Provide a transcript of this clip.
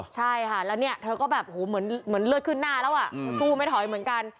ใช่ค่ะแล้วเนี่ยเธอก็แบบเหมือนเลือดขึ้นหน้าแล้วสู้ไม่ถอยเหมือนกัน